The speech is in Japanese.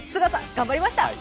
頑張りました！